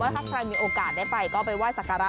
ถ้าใครมีโอกาสได้ไปก็ไปไห้สักการะ